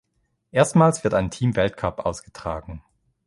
Erstmals wird ein Teamweltcup ausgetragen.